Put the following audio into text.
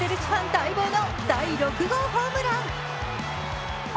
待望の第６号ホームラン。